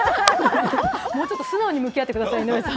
もうちょっと素直に向き合ってください、井上さん。